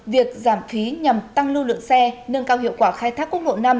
việc giảm phí nhằm tăng lưu lượng xe nâng cao hiệu quả khai thác quốc lộ năm